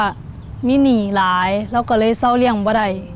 ไม่มีทีหลายเราก็เลยสาวเรียงพอได้